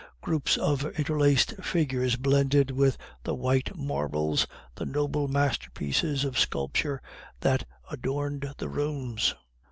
Groups of interlaced figures blended with the white marbles, the noble masterpieces of sculpture that adorned the rooms.